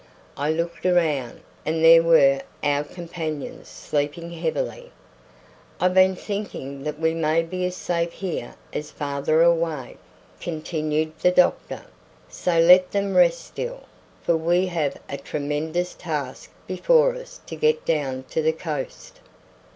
I looked round, and there were our companions sleeping heavily. "I've been thinking that we may be as safe here as farther away," continued the doctor; "so let them rest still, for we have a tremendous task before us to get down to the coast."